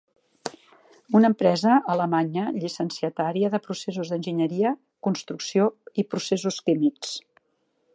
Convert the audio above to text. Una empresa alemanya llicenciatària de processos d'enginyeria, construcció i processos químics.